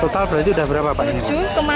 total berarti sudah berapa pak ini